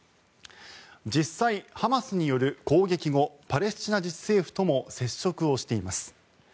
実際、ハマスによる攻撃後パレスチナ自治政府とも接触をしています。